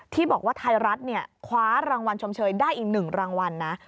ที่บอกว่าไทยรัฐคว้ารางวัลชมเชยได้อีก๑รางวัลนะ